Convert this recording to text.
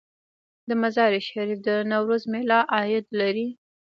د مزار شریف د نوروز میله عاید لري؟